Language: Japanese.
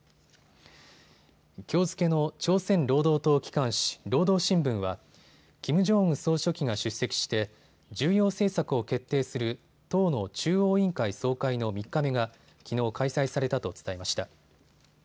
きょう付けの朝鮮労働党機関紙、労働新聞はキム・ジョンウン総書記が出席して重要政策を決定する党の中央委員会総会の３日目がきのう開催されたと伝えました。